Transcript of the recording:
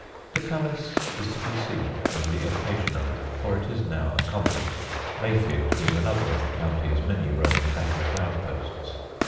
The Palace is to be seen only occasionally, for it is now a convent, Mayfield being another of the county's many Roman Catholic outposts.